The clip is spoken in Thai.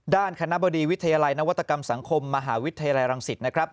ด้านคณะบดีวิทยาลัยนวัตกรรมสังคมมหาวิทยาลัยรังสิตนะครับ